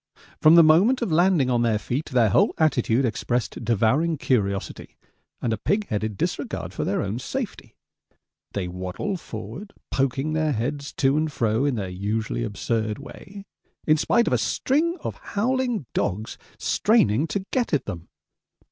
From the moment of landing on their feet their whole attitude expressed devouring curiosity and a pig headed disregard for their own safety. They waddle forward, poking their heads to and fro in their usually absurd way, in spite of a string of howling dogs straining to get at them.